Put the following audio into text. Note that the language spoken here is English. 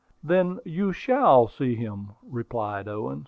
"Then you shall see him," replied Owen.